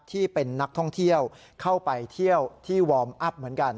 ที่เป็นนักท่องเที่ยวเข้าไปเที่ยวที่วอร์มอัพเหมือนกัน